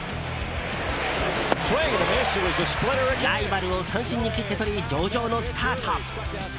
ライバルを三振に切って取り上々のスタート。